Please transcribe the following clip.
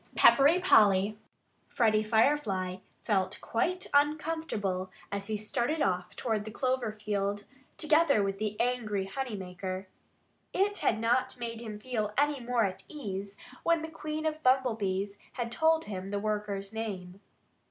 XI PEPPERY POLLY Freddie Firefly felt quite uncomfortable as he started off toward the clover field, together with the angry honey maker. It had not made him feel any more at ease when the Queen of the Bumblebees told him the worker's name.